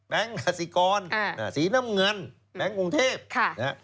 แบงค์อาสิกรฮะฮะสีน้ำเงินแบงค์กรุงเทพค่ะน่ะ